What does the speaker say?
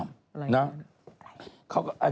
อะไรอย่างนั้น